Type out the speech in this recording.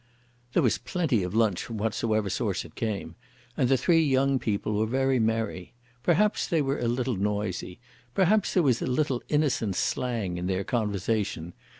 There was plenty of lunch from whatsoever source it came, and the three young people were very merry. Perhaps they were a little noisy. Perhaps there was a little innocent slang in their conversation.